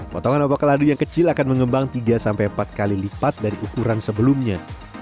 potongan obak kaldu yang kecil akan mengembang tiga sampai empat kali lipat dari ukuran sebelumnya